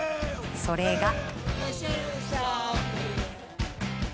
それが。